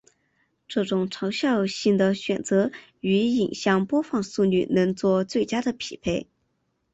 这种长效性的选择与影像播放速率能做最佳的匹配。